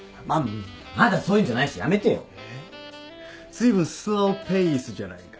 ずいぶんスローペースじゃないか。